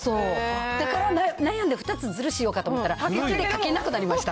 だから悩んで２つずるしようかと思ったら、書けなくなりました。